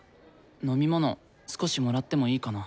飲み物少しもらってもいいかな？